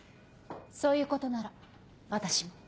そういうことなら私も。